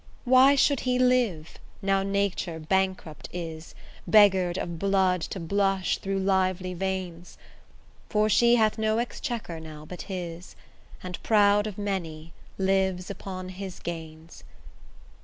Why should he live, now Nature bankrupt is, Beggar'd of blood to blush through lively veins? For she hath no exchequer now but his, And proud of many, lives upon his gains.